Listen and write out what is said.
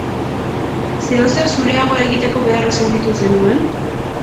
Zeozer zureagoa egiteko beharra sentitu zenuen?